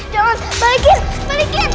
jangan balikin balikin